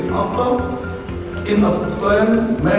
dalam hal hal yang berplan